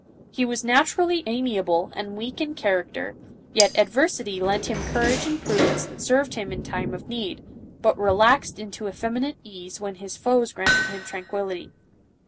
He was naturally amiable and weak in character, yet adversity lent him courage and prudence that served him in time of need, but relaxed into effeminate ease when his foes granted him tranquillity.